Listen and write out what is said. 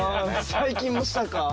最近もしたか。